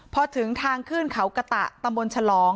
พอถึงทางขึ้นเขากะตะตะมนต์ชะลอง